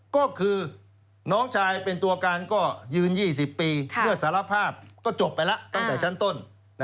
ก็คือน้องชายเป็นตัวการก็ยืน๒๐ปีเมื่อสารภาพก็จบไปแล้วตั้งแต่ชั้นต้น